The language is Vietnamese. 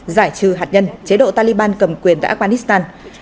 giải trừ hạt nhân chế độ taliban cầm quyền tại afghanistan